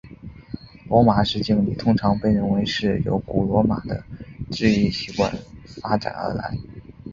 罗马式敬礼通常被认为是由古罗马的致意习惯发展而来。